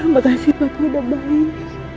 makasih papa udah baik